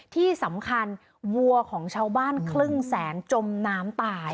ที่สำคัญวัวของชาวบ้านครึ่งแสนจมน้ำตาย